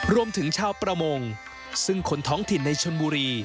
รวมถึงชาวประมงซึ่งคนท้องถิ่นในชนบุรี